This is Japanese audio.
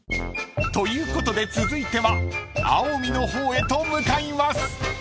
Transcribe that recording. ［ということで続いては青海の方へと向かいます］